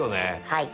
はい。